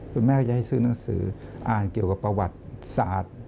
คุณแม่ก็จะให้ซื้อหนังสืออ่านเกี่ยวกับประวัติศาสตร์